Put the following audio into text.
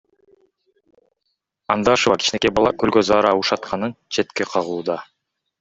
Андашева кичинекей бала көлгө заара ушатканын четке кагууда.